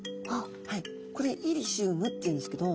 これイリシウムっていうんですけど。